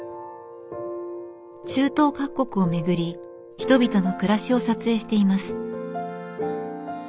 中東各国を巡り人々の暮らしを撮影しています。